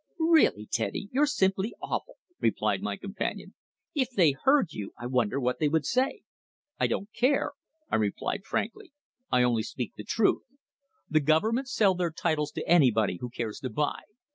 "Really, Teddy, you're simply awful," replied my companion. "If they heard you I wonder what they would say?" "I don't care," I replied frankly. "I only speak the truth. The Government sell their titles to anybody who cares to buy.